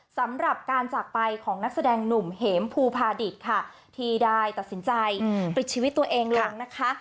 สำหรับการจากไปของนักแสดงหนุ่มเหมภูพาดิตค่ะที่ได้ตัดสินใจปิดชีวิตตัวเองลงนะคะ